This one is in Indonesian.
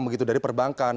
begitu dari perbankan